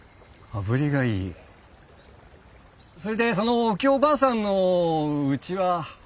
それでそのおきよばあさんのうちは？